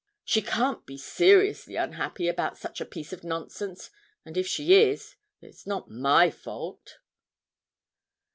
She can't be seriously unhappy about such a piece of nonsense, and if she is, it's not my fault.'